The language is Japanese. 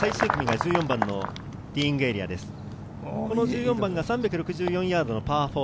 １４番の３６４ヤードのパー４。